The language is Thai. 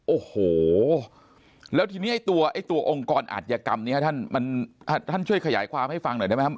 โอ้โหแล้วทีนี้ไอ้ตัวไอ้ตัวองค์กรอัธยกรรมนี้ท่านช่วยขยายความให้ฟังหน่อยได้ไหมครับ